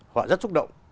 họ rất xúc động